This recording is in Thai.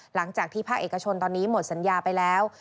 หลังจากที่ภาคเอกชนตอนนี้หมดสัญญาไปแล้ว